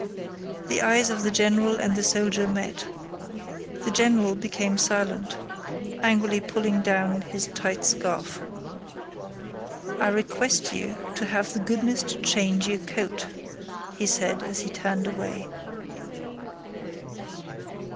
The eyes of the general and the soldier met. The general became silent, angrily pulling down his tight scarf. "I request you to have the goodness to change your coat," he said as he turned away.